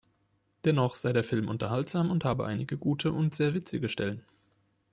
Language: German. Dennoch sei der Film unterhaltsam und habe einige gute und sehr witzige Stellen.